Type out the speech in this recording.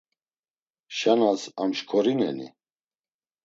Şanas amşkorineni?